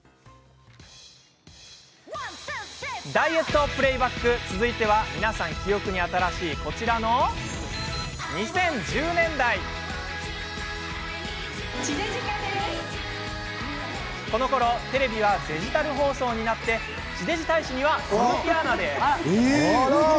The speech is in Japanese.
ダイエットプレーバック続いては、皆さん記憶に新しいこちらのこのころテレビはデジタル放送になり地デジ大使には鈴木アナウンサー。